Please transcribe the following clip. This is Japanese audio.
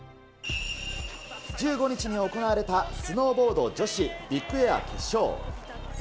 １５日に行われた、スノーボード女子ビッグエア決勝。